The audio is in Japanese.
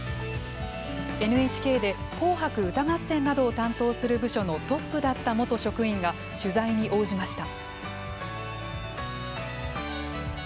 ＮＨＫで、紅白歌合戦などを担当する部署のトップだった元職員が取材に応じました。